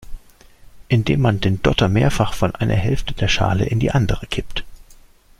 Indem man den Dotter mehrfach von einer Hälfte der Schale in die andere kippt.